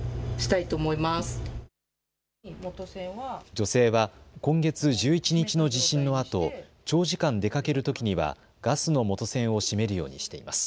女性は今月１１日の地震のあと長時間出かけるときにはガスの元栓を閉めるようにしています。